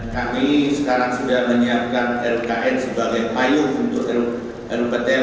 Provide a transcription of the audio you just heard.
kami sekarang sudah menyiapkan rukn sebagai payung untuk ruptl